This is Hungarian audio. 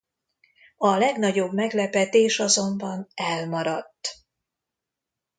A legnagyobb meglepetés azonban elmaradt.